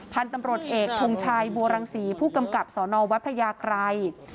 พันธุ์ตำรวจเอกทงชัยบัวรังศรีผู้กำกับสนวัดพระยากรัย